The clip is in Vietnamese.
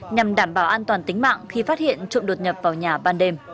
nhằm đảm bảo an toàn tính mạng khi phát hiện trộm đột nhập vào nhà ban đêm